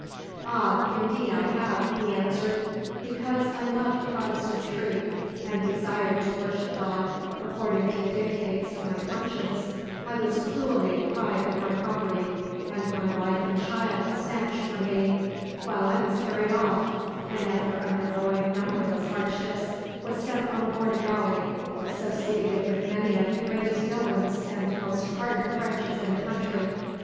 "Ah, indeed I have!" he answered. "Because I loved Protestant truth, and desired to worship God according to the dictates of my conscience, I was cruelly deprived of my property, and my wife and child snatched from me while I was carried off, and after undergoing numberless hardships, was sent on board a galley, associated with many of the greatest villains and most hardened wretches in the country!